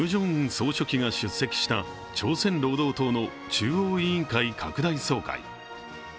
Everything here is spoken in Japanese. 総書記が出席した朝鮮労働党の中央委員会拡大総会。